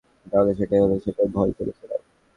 তাহলে সেটাই হলো যেটার ভয় করেছিলাম।